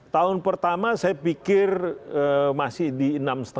tahun pertama saya pikir masih di enam lima